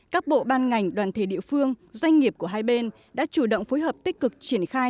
các bộ ban ngành đoàn thể địa phương doanh nghiệp của hai bên đã chủ động phối hợp tích cực triển khai